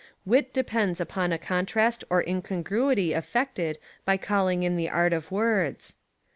Wit depends upon a contrast or incongruity effected by caUing in the art of words.